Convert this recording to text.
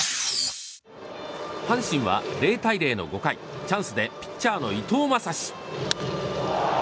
阪神は０対０の５回チャンスでピッチャーの伊藤将司。